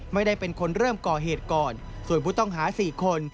ไม่ได้เป็นคนเริ่มก่อเหตุก่อนส่วนผู้ต้องหา๔คน